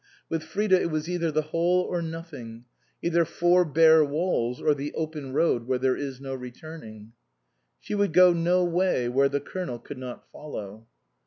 With Frida it was either the whole or nothing ; either four bare walls, or the open road where there is no returning. She would go 110 way where the Colonel could not follow.